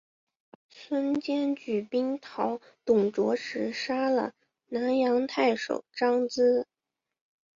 孙坚举兵讨董卓时杀了南阳太守张咨。